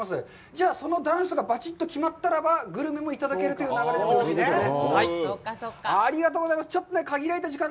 じゃあそのダンスがばちっと決まったならば、グルメもいただけるという流れでよろしいですかね？